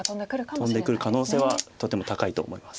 飛んでくる可能性はとても高いと思います。